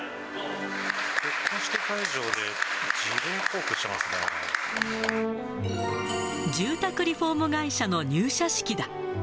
結婚式会場で辞令交付してま住宅リフォーム会社の入社式だ。